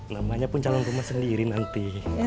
namanya pun calon rumah sendiri nanti